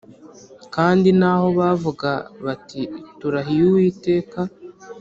Kandi naho bavuga bati Turahiye Uwiteka